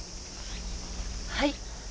はい。